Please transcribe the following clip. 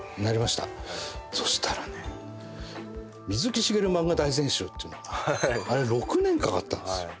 そしたらね『水木しげる漫画大全集』っていうのがあれ６年かかったんですよ。